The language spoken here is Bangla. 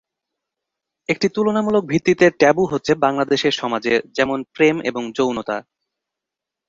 একটি তুলনামূলক ভিত্তিতে ট্যাবু হচ্ছে বাংলাদেশের সমাজে যেমনঃ প্রেম এবং যৌনতা।